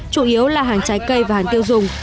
chủ yếu là hàng trái cây và hàng tiêu dùng